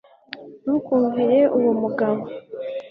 ntukumvire uwo mugabo